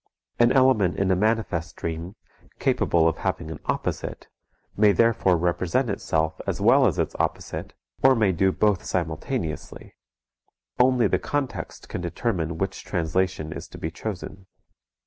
An element in a manifest dream, capable of having an opposite, may therefore represent itself as well as its opposite, or may do both simultaneously; only the context can determine which translation is to be chosen.